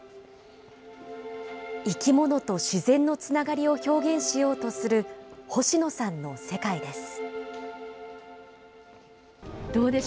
生き物と自然のつながりを表現しようとする星野さんの世界です。